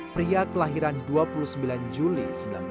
pria kelahiran dua puluh sembilan juli seribu sembilan ratus enam puluh